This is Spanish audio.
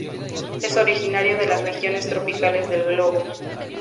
Es originario de las regiones tropicales del globo.